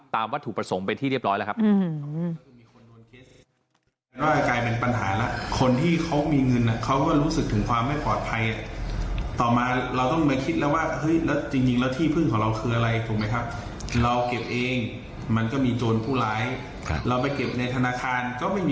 ตามว่าถูกประสงค์ไปที่เรียบร้อยแล้วครับ